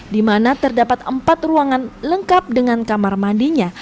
dimana terdapat empat ruangan lengkap dengan kamar mandinya